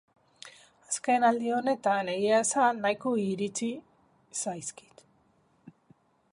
Azken aldi honetan, egia esan, nahiko iritsi zaizkit.